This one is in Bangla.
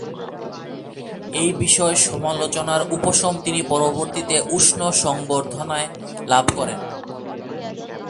এই বিষম সমালোচনার উপশম তিনি পরবর্তীতে উষ্ণ সংবর্ধনায় লাভ করেন।